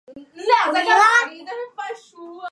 道光三年十月回任。